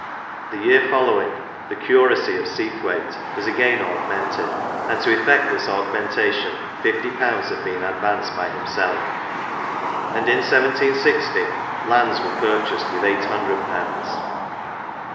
*' The year following, the curacy of Seathwaite was again augmented ; and to effect this augmentation, fifty pounds had been advanced by himself ; and in 1760, lands were pur chased with eight hundred 'pounds.